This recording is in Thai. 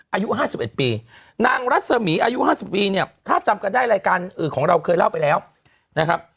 อายุ๕๑ปีนางรัศมีอายุ๕๐ปีเนี่ยถ้าจำกันได้รายการของเราเคยเล่าไปแล้วนะครับ